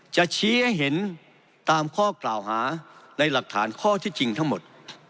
จะชี้ให้เห็นตามข้อกล่าวหาในหลักฐานข้อที่จริงทั้งหมด